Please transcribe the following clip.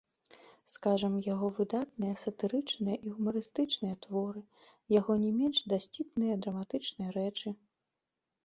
Скажам, яго выдатныя сатырычныя і гумарыстычныя творы, яго не менш дасціпныя драматычныя рэчы.